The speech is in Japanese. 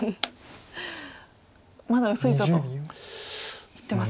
まだ薄いぞと言ってますね。